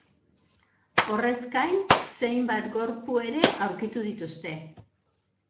Horrez gain, zenbait gorpu ere aurkitu dituzte.